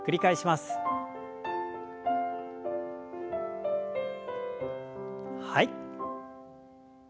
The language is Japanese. はい。